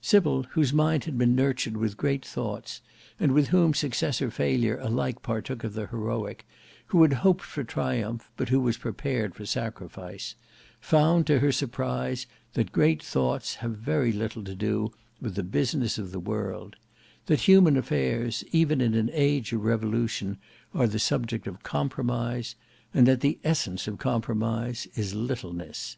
Sybil, whose mind had been nurtured with great thoughts, and with whom success or failure alike partook of the heroic, who had hoped for triumph, but who was prepared for sacrifice, found to her surprise that great thoughts have very little to do with the business of the world; that human affairs, even in an age of revolution, are the subject of compromise; and that the essence of compromise is littleness.